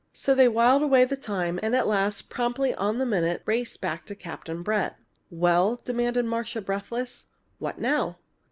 So they whiled away the time, and at last, promptly on the minute, raced back to Captain Brett. "Well?" demanded Marcia, breathless. "What now?"